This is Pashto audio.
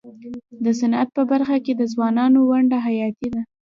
د صنعت په برخه کي د ځوانانو ونډه حیاتي ده.